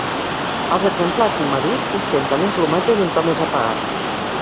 Els exemplars immadurs ostenten un plomatge d'un to més apagat.